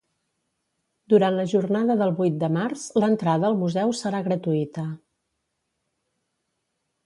Durant la jornada del vuit de març l'entrada al Museu serà gratuïta.